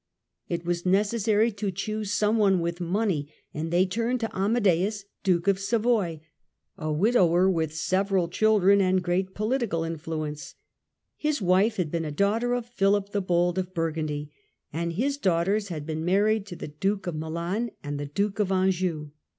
It was necessary to choose some one with money, and they turned to Amadeus Duke of Savoy, a widower with several children and great political in fluence : his wife had been a daughter of Philip the Bold of Burgundy, and his daughters had been married to the Duke of Milan and the Duke of Anjou.